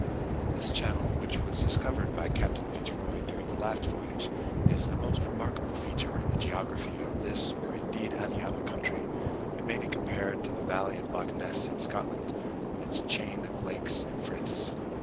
This channel, which was discovered by Captain Fitz Roy during the last voyage, is a most remarkable feature in the geography of this, or indeed of any other country: it may be compared to the valley of Lochness in Scotland, with its chain of lakes and friths.